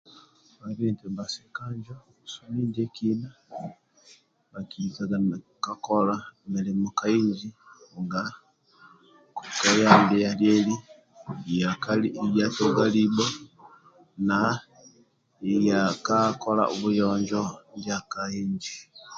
Oibi nti bhasika njo busimi ndiekina bhakilikaga nibhakakola milimo kainji nga kweyambi lieli yatuga libho na ya ka kolabuyonjo ndia ka inji